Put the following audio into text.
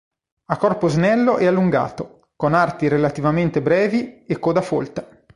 Ha corpo snello e allungato, con arti relativamente brevi e coda folta.